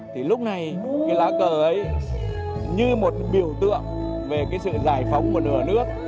thì lúc này cái lá cờ ấy như một biểu tượng về cái sự giải phóng một nửa nước